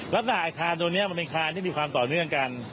ลักษณะไอ้คานตัวนี้มันเป็นคานที่มีความต่อเนื่องกัน